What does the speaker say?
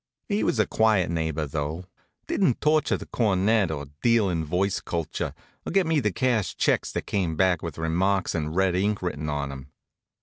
He was a quiet neighbor, though didn't torture the cornet, or deal in voice culture, or get me to cash checks that came back with remarks in red ink written on 'em.